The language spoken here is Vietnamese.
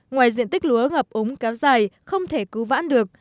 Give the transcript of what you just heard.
ngoài diện tích lúa ngập úng kéo dài không thể cứu vãn được